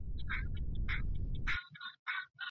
رنګونه د ماشومانو پام ځانته را اړوي.